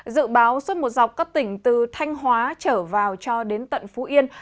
dự báo suốt một dọc các tỉnh từ thanh hóa trở vào cho đến tận phú yên